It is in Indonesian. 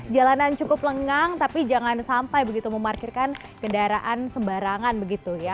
jalanan cukup lengang tapi jangan sampai begitu memarkirkan kendaraan sembarangan begitu ya